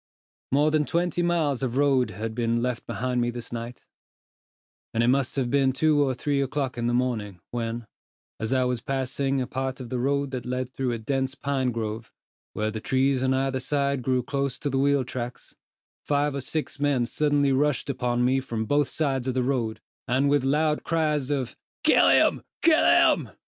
More than twenty miles of road had been left behind me this night; and it must have been two or three o'clock in the morning, when, as I was passing a part of the road that led through a dense pine grove, where the trees on either side grew close to the wheel tracks, five or six men suddenly rushed upon me from both sides of the road, and with loud cries of "Kill him! kill him!"